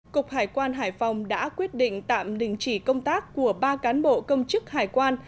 cục hải quan hải phòng đã quyết định tạm đình chỉ công tác của ba cán bộ công chức hải quan